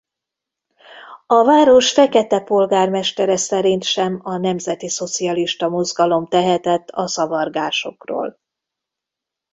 A város fekete polgármestere szerint sem a Nemzetiszocialista Mozgalom tehetett a zavargásokról.